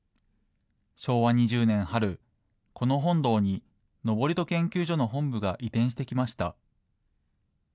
昭和２０年春、この本堂に登戸研究所の本部が移転してきました。